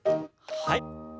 はい。